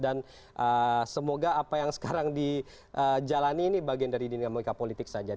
dan semoga apa yang sekarang dijalani ini bagian dari dinamika politik saja